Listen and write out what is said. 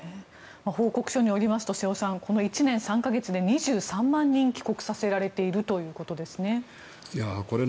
報告書によりますとこの１年３か月で２３万人帰国させられているということですね。